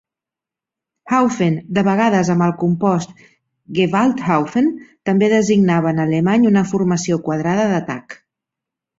"Haufen", de vegades amb el compost "Gewalthaufen", també designava en alemany una formació quadrada d'atac.